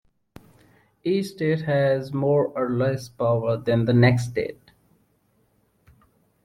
Each state has more or less power than the next state.